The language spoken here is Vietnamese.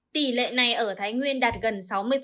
tỷ lệ này ở thái nguyên đạt gần sáu mươi